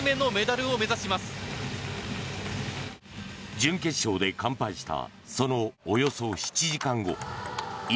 準決勝で完敗したそのおよそ７時間後伊